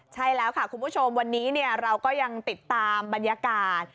ใช่แล้วค่ะคุณผู้ชมวันนี้เราก็ยังติดตามบรรยากาศ